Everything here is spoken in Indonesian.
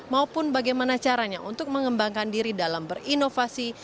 maupun bagaimana caranya untuk mengembangkan diri dalam berinovasi